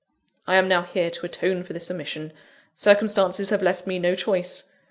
I am now here to atone for this omission; circumstances have left me no choice.